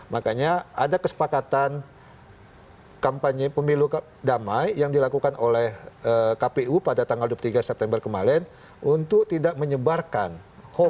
makanya ada kesepakatan kampanye pemilu damai yang dilakukan oleh kpu pada tanggal dua puluh tiga september kemarin untuk tidak menyebarkan hoax